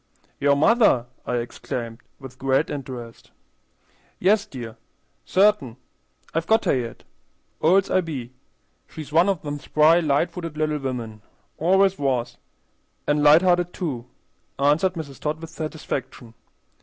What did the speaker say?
"Your mother!" I exclaimed, with great interest. "Yes, dear, cert'in; I've got her yet, old's I be. She's one of them spry, light footed little women; always was, an' light hearted, too," answered Mrs. Todd, with satisfaction.